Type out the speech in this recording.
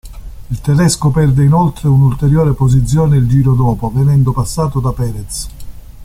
Il tedesco perde inoltre un'ulteriore posizione il giro dopo, venendo passato da Pérez.